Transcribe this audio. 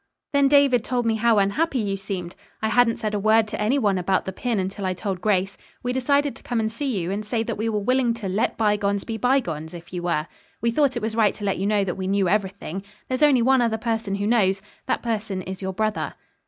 Then David told me how unhappy you seemed. I hadn't said a word to any one about the pin until I told Grace. We decided to come and see you, and say that we were willing to 'let bygones be bygones' if you were. We thought it was right to let you know that we knew everything. There is only one other person who knows. That person is your brother."